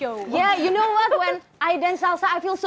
iya kamu melakukannya dengan sangat bagus